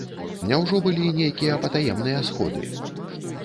Няўжо былі нейкія патаемныя сходы?